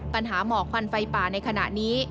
ปัญหาหมอกควันไฟป่าในขณะนี้